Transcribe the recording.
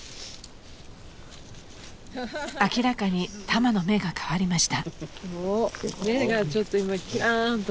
［明らかにタマの目が変わりました］